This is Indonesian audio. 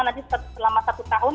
nanti selama satu tahun